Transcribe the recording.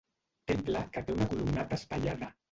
Temple que té una columnata espaiada.